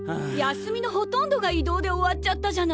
休みのほとんどが移動で終わっちゃったじゃない。